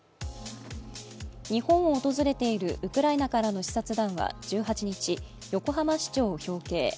日本を訪れているウクライナからの視察団は１８日、横浜市長を表敬。